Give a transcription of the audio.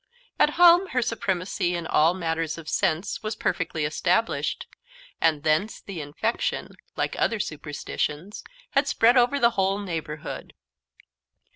At home her supremacy in all matters of sense was perfectly established; and thence the infection, like other superstitions, had spread over the whole neighbourhood.